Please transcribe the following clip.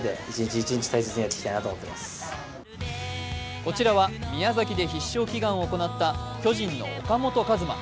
こちらは宮崎で必勝祈願を行った巨人の岡本和真。